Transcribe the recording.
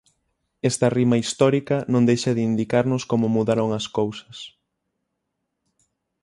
Esta rima histórica non deixa de indicarnos como mudaron as cousas.